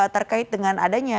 terkait dengan adanya